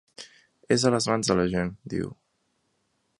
És a les mans de la gent, diu.